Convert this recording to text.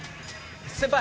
先輩！